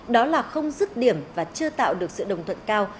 đó là không dứt điểm và chưa tạo được sự đồng thuận cao